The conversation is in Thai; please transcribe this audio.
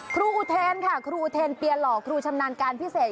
อุเทนค่ะครูอุเทนเปียหล่อครูชำนาญการพิเศษ